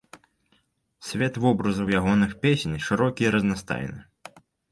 Свет вобразаў ягоных песень шырокі і разнастайны.